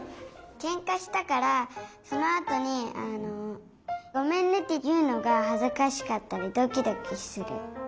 けんかしたからそのあとに「ごめんね」っていうのがはずかしかったりドキドキする。